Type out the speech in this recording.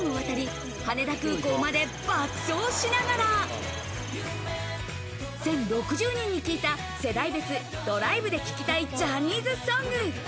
汐留からアクアラインを渡り羽田空港まで爆走しながら１０６０人に聞いた、世代別ドライブで聴きたいジャニーズソング。